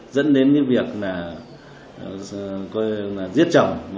dẫn đến việc giết chồng